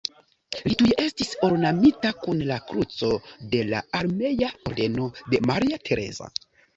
Li tuj estis ornamita kun la Kruco de la Armea ordeno de Maria Tereza.